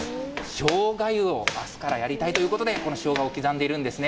しょうが湯をあすからやりたいということで、このしょうがを刻んでいるんですね。